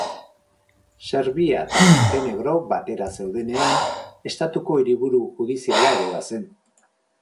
Serbia eta Montenegro batera zeudenean, estatuko hiriburu judiziala ere bazen.